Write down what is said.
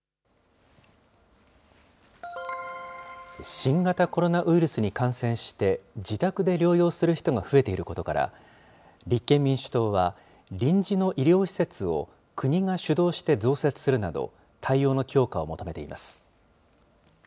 新型コロナウイルスに感染して、自宅で療養する人が増えていることから、立憲民主党は臨時の医療施設を国が主導して増設するなど、対応の強化を求めています。